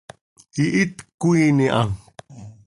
Ihít cöquiin iha.